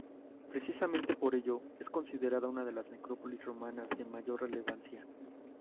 Precisamente por ello, es considerada una de las necrópolis romanas de mayor relevancia.